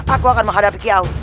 aku akan menghadapi kiaw